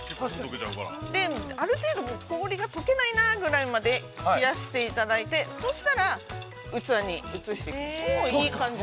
◆ある程度、氷が溶けないなぐらいまで冷やしていただいて、そしたら、器に移していただいて。